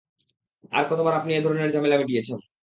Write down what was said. আর কতবার আপনি এ ধরনের ঝামেলা মিটিয়েছেন?